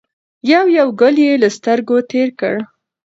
یو یو ګل یې له سترګو تېر کړ.